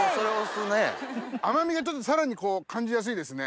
甘みがさらに感じやすいですね